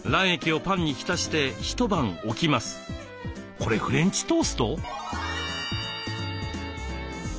これフレンチトースト？